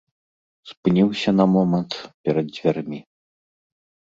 Спыніўся на момант перад дзвярмі.